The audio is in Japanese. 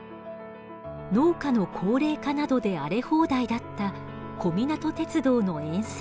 農家の高齢化などで荒れ放題だった小湊鉄道の沿線。